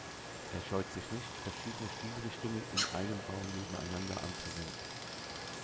Er scheut sich nicht, verschiedene Stilrichtungen in einem Bau nebeneinander anzuwenden.